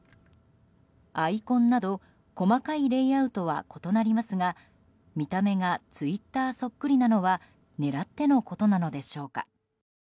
アイコンなど細かいレイアウトは異なりますが見た目がツイッターそっくりなのは狙ってのことなのでしょうか。